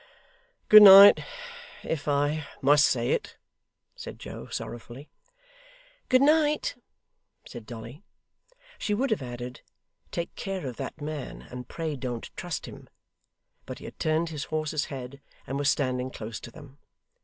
'Good night if I must say it,' said Joe, sorrowfully. 'Good night,' said Dolly. She would have added, 'Take care of that man, and pray don't trust him,' but he had turned his horse's head, and was standing close to them.